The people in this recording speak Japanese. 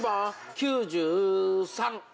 ９３。